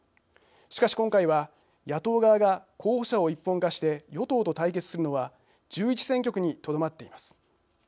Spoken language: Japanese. しかし、今回は野党側が候補者を一本化して与党と対決するのは１１選挙区にとどまっています。